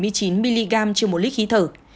đức xin tổ công tác bỏ qua lỗi